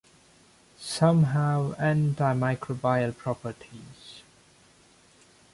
Some have antimicrobial properties.